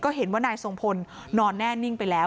เห็นว่านายทรงพลนอนแน่นิ่งไปแล้ว